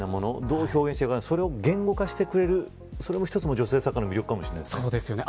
どう表現していいのか、それを言語化してくれる、それも一つの女性作家の魅力かもしれないですよね。